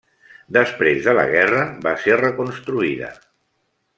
Després de la Guerra va ser reconstruïda.